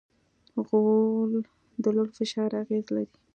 غول د لوړ فشار اغېز لري.